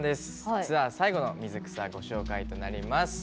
ツアー最後の水草、ご紹介となります。